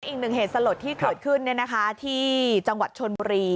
อีกหนึ่งเหตุสลดที่เกิดขึ้นที่จังหวัดชนบุรี